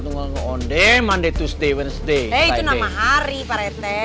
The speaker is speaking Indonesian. ngonde mandi tuesday wednesday hari pak rt